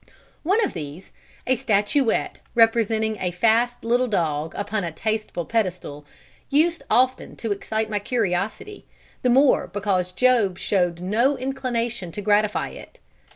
One of these, a statuette representing a fast little dog upon a tasteful pedestal, used often to excite my curiosity, the more because Job showed no inclination to gratify it.